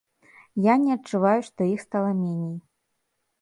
Я не адчуваю, што іх стала меней.